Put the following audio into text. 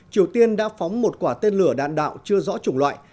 triều tiên đã phóng một quả tên lửa đạn đạo chưa rõ chủng loại